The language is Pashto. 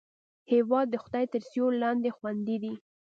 هېواد د خدای تر سیوري لاندې خوندي دی.